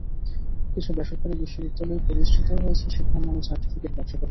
কিছু বেসরকারি বিশ্ববিদ্যালয় প্রতিষ্ঠিতই হয়েছে শিক্ষার নামে সার্টিফিকেট ব্যবসা করার জন্য।